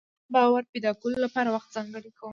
پر ځان د باور پيدا کولو لپاره وخت ځانګړی کوم.